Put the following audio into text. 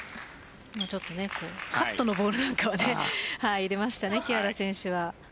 カットのボールなんかを入れましたね、木原選手は。